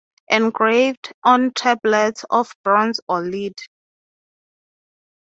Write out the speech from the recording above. They were engraved on tablets of bronze or lead.